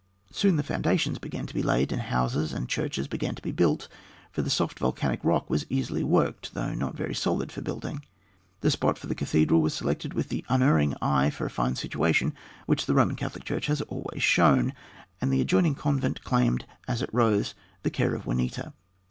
Soon the foundations began to be laid, and houses and churches began to be built, for the soft volcanic rock was easily worked, though not very solid for building. The spot for the cathedral was selected with the unerring eye for a fine situation which the Roman Catholic Church has always shown, and the adjoining convent claimed, as it rose, the care of Juanita.